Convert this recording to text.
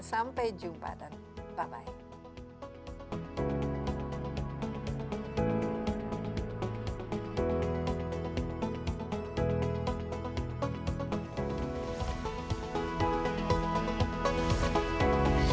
sampai jumpa dan bye bye